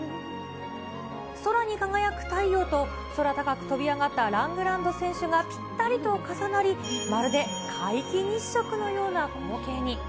空に輝く太陽と、空高く飛び上がったラングランド選手がぴったりと重なり、まるで皆既日食のような光景に。